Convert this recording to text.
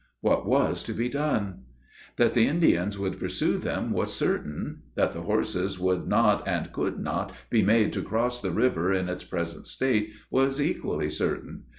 What was to be done? That the Indians would pursue them was certain. That the horses would not and could not be made to cross the river in its present state, was equally certain.